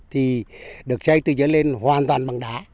thì được chay từ dưới lên hoàn toàn bằng đá